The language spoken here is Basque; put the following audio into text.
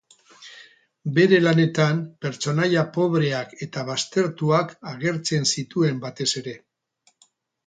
Bere lanetan pertsonaia pobreak eta baztertuak agertzen zituen batez ere.